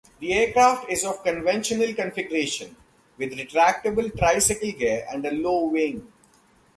The aircraft is of conventional configuration, with retractable tricycle gear and a low wing.